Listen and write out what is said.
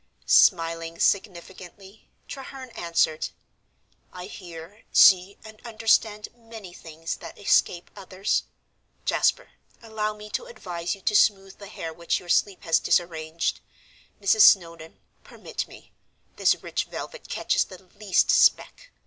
Smiling significantly, Treherne answered, "I hear, see, and understand many things that escape others. Jasper, allow me to advise you to smooth the hair which your sleep has disarranged. Mrs. Snowdon, permit me. This rich velvet catches the least speck."